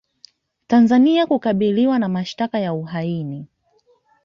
Tanzania kukabiliwa na mashtaka ya uhaini